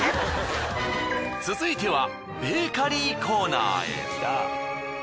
続いてはベーカリーコーナーへ。